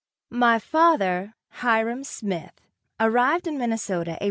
My father, Hiram Smith arrived in Minnesota Apr.